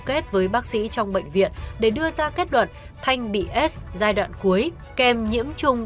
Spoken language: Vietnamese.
kết với bác sĩ trong bệnh viện để đưa ra kết luận thành bị s giai đoạn cuối kèm nhiễm chùng